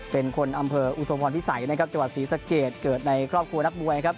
เป็นคนอำเภออุทมพรพิสัยนะครับจังหวัดศรีสะเกดเกิดในครอบครัวนักมวยครับ